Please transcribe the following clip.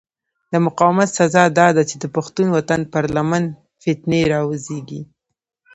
د مقاومت سزا داده چې د پښتون وطن پر لمن فتنې را وزېږي.